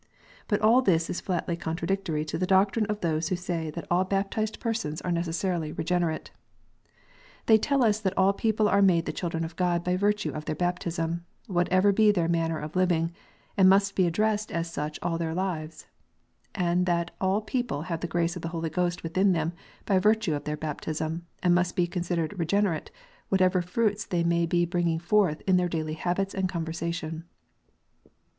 But all this is flatly contra dictory to the doctrine of those who say that all baptized 152 KXOTS UNTIED. persons are necessarily regenerate. They tell us that all people are made the children of God by virtue of their baptism, what ever be their manner of living, and must be addressed as such all their lives ; and that all people have the grace of the Holy Ghost within them by virtue of their baptism, and must be considered "regenerate," whatever fruits they may be bringing forth in their daily habits and conversation.